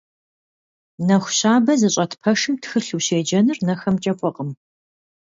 Нэху щабэ зыщӏэт пэшым тхылъ ущеджэныр нэхэмкӏэ фӏыкъым.